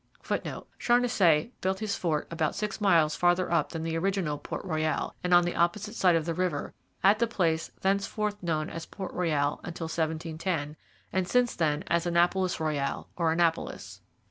[Footnote: Charnisay built his fort about six miles farther up than the original Port Royal, and on the opposite side of the river, at the place thenceforth known as Port Royal until 1710, and since then as Annapolis Royal or Annapolis.